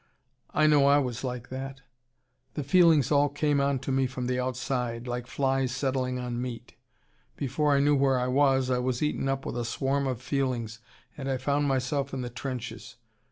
I know I was like that. The feelings all came on to me from the outside: like flies settling on meat. Before I knew where I was I was eaten up with a swarm of feelings, and I found myself in the trenches.